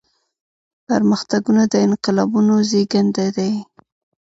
پرمختګونه د انقلابونو زيږنده دي.